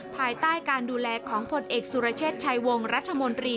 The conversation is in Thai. ภายใต้การดูแลของผลเอกสุรเชษฐ์ชัยวงรัฐมนตรี